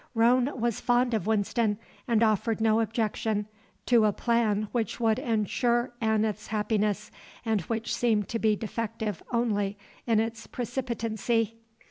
Roane was fond of Winston, and offered no objection to a plan which would ensure Aneth's happiness and which seemed to be defective only in its precipitancy.